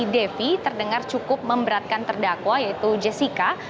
devi terdengar cukup memberatkan terdakwa yaitu jessica